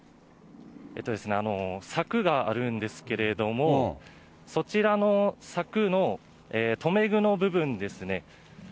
柵があるんですけれども、そちらの柵の留め具の部分ですね。